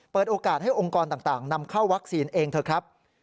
เปิดโอกาสให้องค์กรต่างนำเข้าวัคซีนเองเถอะครับ